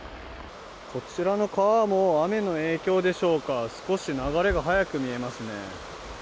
こちらの川も雨の影響でしょうか、少し流れが速く見えますね。